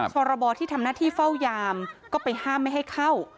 พรบที่ทำหน้าที่เฝ้ายามก็ไปห้ามไม่ให้เข้า